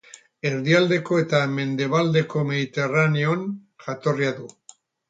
Erdialdeko eta mendebaldeko Mediterraneon jatorria du.